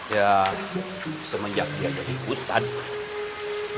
ya semenjak dia jadi ustadz